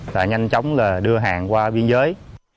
là nhanh chóng đưa hàng qua biên giới